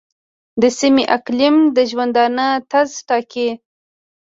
د سیمې اقلیم د ژوندانه طرز ټاکي.